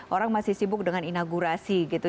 orang masih sibuk dengan inaugurasi gitu